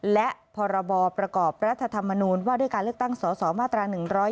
และพรบประกอบรัฐธรรมนูญว่าด้วยการเลือกตั้งสสมาตรา๑๑๒